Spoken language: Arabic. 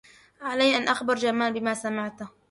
علي أن أخبر جمال بما سمعته.